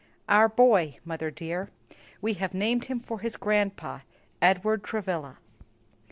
"Our boy, mother dear. We have named him for his grandpa Edward Travilla."